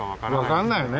わかんないよね。